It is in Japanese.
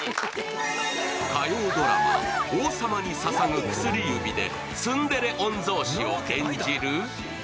火曜ドラマ「王様に捧ぐ薬指」でツンデレ御曹司を演じる